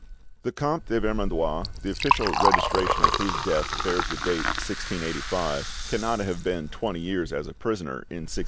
The Comte de Vermandois, the official registration of whose death bears the date 1685, cannot have been twenty years a prisoner in 1691.